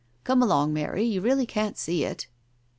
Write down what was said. Come along, Mary, you really can't see it."